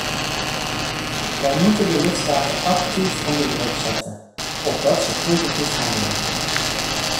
Wij moeten de lidstaten actief onder druk zetten, opdat ze preventief handelen.